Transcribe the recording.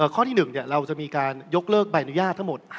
ข้อที่๑เราจะมีการยกเลิกใบอนุญาตทั้งหมด